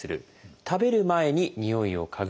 食べる前ににおいを嗅ぐ。